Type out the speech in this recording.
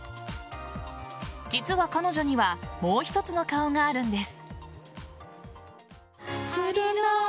実は彼女にはもう一つの顔があるんです。